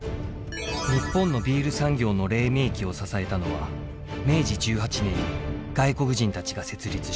日本のビール産業の黎明期を支えたのは明治１８年に外国人たちが設立した醸造所です。